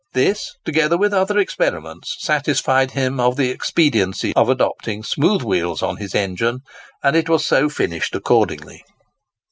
This, together with other experiments, satisfied him of the expediency of adopting smooth wheels on his engine, and it was so finished accordingly.